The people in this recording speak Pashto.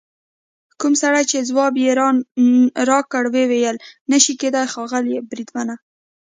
کوم سړي چې ځواب یې راکړ وویل: نه شي کېدای ښاغلي بریدمنه.